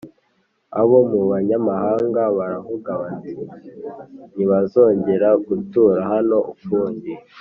Abo mu banyamahanga baravugaga bati“Ntibazongera gutura hano ukundi.”